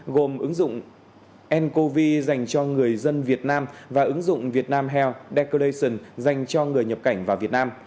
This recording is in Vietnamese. gồm ứng dụng ncov dành cho người dân việt nam và ứng dụng vietnam health declaration dành cho người nhập cảnh vào việt nam